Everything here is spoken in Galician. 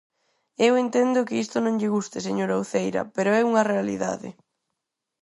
Eu entendo que isto non lle guste, señora Uceira, pero é unha realidade.